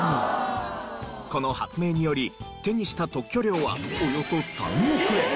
この発明により手にした特許料はおよそ３億円！